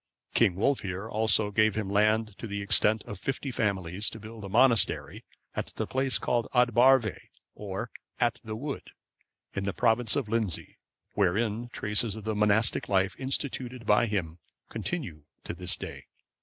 King Wulfhere also gave him land of the extent of fifty families, to build a monastery, at the place called Ad Barvae,(546) or "At the Wood," in the province of Lindsey, wherein traces of the monastic life instituted by him continue to this day.